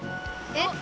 えっ！？